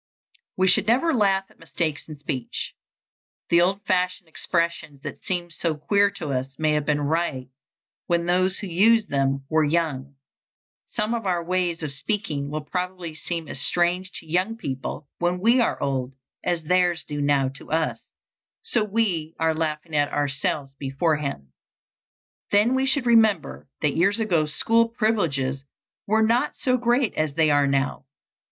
We should never laugh at mistakes in speech. The old fashioned expressions that seem so queer to us may have been right when those who use them were young. Some of our ways of speaking will probably seem as strange to young people when we are old as theirs do now to us, so we are laughing at ourselves beforehand. Then we should remember that years ago school privileges were not so great as they are now.